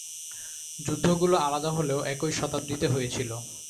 যুদ্ধগুলো আলাদা হলেও, একই শতাব্দীতে হয়েছিল।